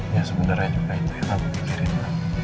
ya sebenernya juga itu yang aku pikirin